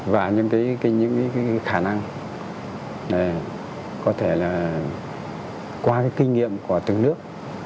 và những cái khả năng này có thể là qua cái kinh nghiệm của từng nước